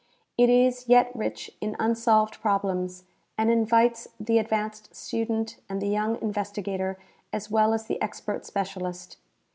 It is yet rich in unsolved problems and invites the advanced student and the young investigator as well as the ex pert specialist.